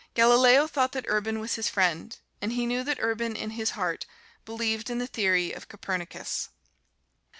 Galileo thought that Urban was his friend, and he knew that Urban, in his heart, believed in the theory of Copernicus.